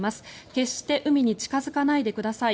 決して海に近付かないでください。